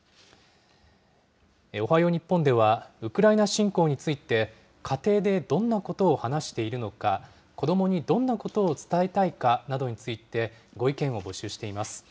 おはよう日本ではウクライナ侵攻について、家庭でどんなことを話しているのか、子どもにどんなことを伝えたいかなどについて、ご意見を募集しています。